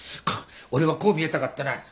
俺はこう見えたかってな一級。